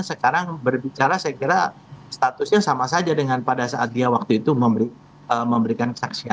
sekarang berbicara saya kira statusnya sama saja dengan pada saat dia waktu itu memberikan kesaksian